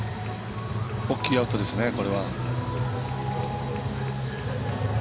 大きいアウトです、これは。